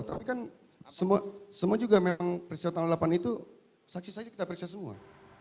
tapi kan semua juga memang periksa tanggal delapan itu saksi saksi kita periksa semua